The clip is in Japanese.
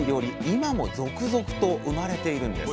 今も続々と生まれているんです。